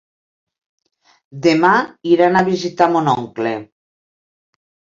Demà iran a visitar mon oncle.